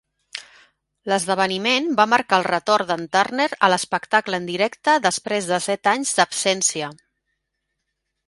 L"esdeveniment va marcar el retorn de"n Turner a l"espectacle en directe després de set anys d"absència.